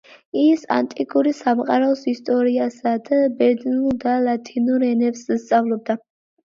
ის ანტიკური სამყაროს ისტორიასა და ბერძნულ და ლათინურ ენებს სწავლობდა.